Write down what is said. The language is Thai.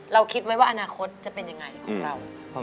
คิดไว้ว่าอนาคตจะเป็นยังไงของเรา